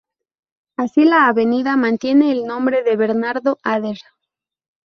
Así la Avenida mantiene el nombre de Bernardo Ader.